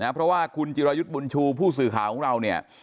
เพราะว่าคุณจิรายุทธ์บุญชูผู้สื่อข่าวของเราเนี่ย